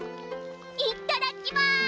いっただきます！